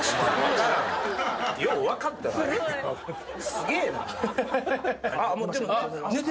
すげぇな。